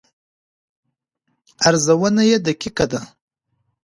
ارزونه یې دقیقه ده.